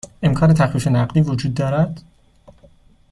امکان تخفیف نقدی وجود دارد؟